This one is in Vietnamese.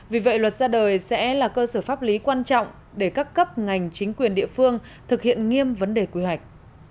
vì vậy luật ra đời sẽ là cơ sở pháp lý quan trọng để các cấp ngành chính quyền địa phương thực hiện nghiêm vấn đề quy hoạch